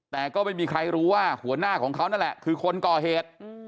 แต่ก็ไม่มีใครรู้ว่าหัวหน้าของเขานั่นแหละคือคนก่อเหตุ